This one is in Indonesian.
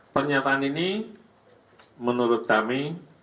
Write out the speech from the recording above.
pernyataan ini menurut kami